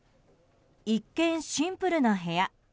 一見シンプルな部屋。